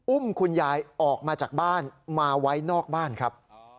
อุ้มคุณยายออกมาจากบ้านมาไว้นอกบ้านครับ